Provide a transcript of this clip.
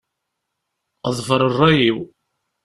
Ḍfeṛ ṛṛay-iw.